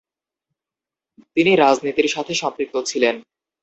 তিনি রাজনীতির সাথে সম্পৃক্ত ছিলেন।